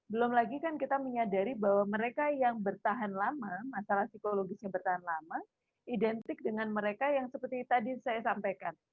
belum lagi kan kita menyadari bahwa mereka yang bertahan lama masalah psikologisnya bertahan lama identik dengan mereka yang seperti tadi saya sampaikan